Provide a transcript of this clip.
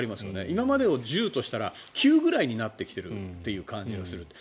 今までを１０としたら９ぐらいになってきている感じがすると。